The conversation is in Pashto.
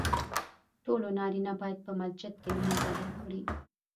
ټولو نارینه باید په مسجد کې لمونځ ادا کړي .